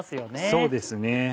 そうですね